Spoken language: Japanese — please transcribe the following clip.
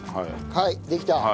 はいできた。